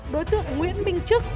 đối tượng nguyễn minh chức